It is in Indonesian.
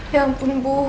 ya ampun bu